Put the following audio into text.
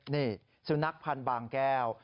นี่สุนัขพันธ์บางแก้ว